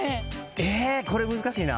これ難しいな。